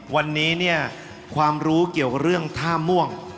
วันนี้เนี่ยความรู้เกี่ยวกับเรื่องท่าม่วง